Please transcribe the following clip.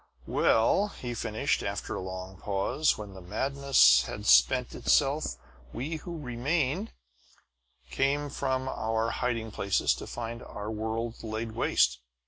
"Well," he finished, after a long pause, "when the madness had spent itself, we who remained came from our hiding places to find our world laid waste.